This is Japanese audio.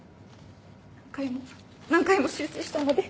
何回も何回も修正したので。